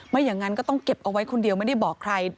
อย่างนั้นก็ต้องเก็บเอาไว้คนเดียวไม่ได้บอกใคร